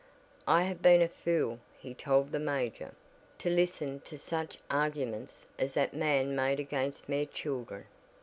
"I have been a fool," he told the major, "to listen to such arguments as that man made against mere children.